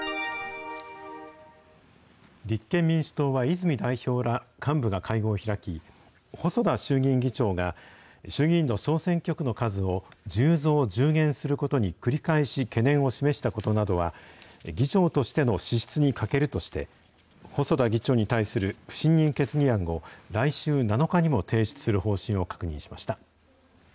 立憲民主党は、泉代表ら幹部が会合を開き、細田衆議院議長が、衆議院の小選挙区の数を１０増１０減することに繰り返し懸念を示したことなどは、議長としての資質に欠けるとして、細田議長に対する不信任決議案を、来週７日にも提出する方針を確認しました。